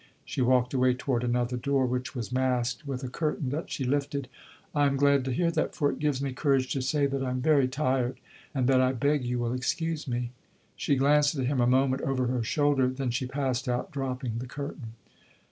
She walked away toward another door, which was masked with a curtain that she lifted. "I am glad to hear that, for it gives me courage to say that I am very tired, and that I beg you will excuse me." She glanced at him a moment over her shoulder; then she passed out, dropping the curtain.